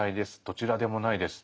どちらでもないです」。